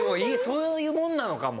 そういうもんなのかも。